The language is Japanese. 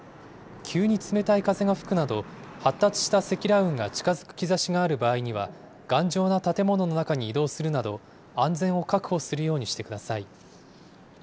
急に冷たい風が吹くなど、発達した積乱雲が近づく兆しがある場合には、頑丈な建物の中に移動するなど、安全を確保するようにしてください。